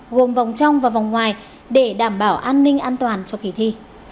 gồm vòng trong và vòng ngoài để đảm bảo an ninh an toàn cho kỳ thi